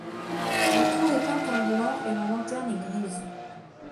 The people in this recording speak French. La tour est peinte en blanc et la lanterne est grise.